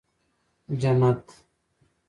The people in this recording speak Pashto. جنت